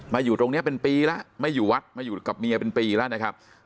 อยู่ตรงนี้เป็นปีแล้วไม่อยู่วัดมาอยู่กับเมียเป็นปีแล้วนะครับ